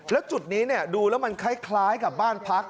แล้วจุดนี้ดูแล้วมันคล้ายกับบ้านพัก